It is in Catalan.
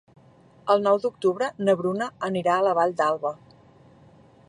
El nou d'octubre na Bruna anirà a la Vall d'Alba.